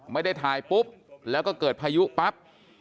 ไม่ได้ถ่ายปุ๊บแล้วก็เกิดพายุปั๊บ